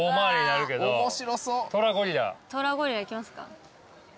トラ・ゴリラ行きますか？